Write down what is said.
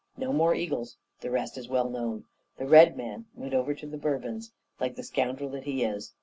No more eagles the rest is well known. The Red Man went over to the Bourbons, like the scoundrel that he is.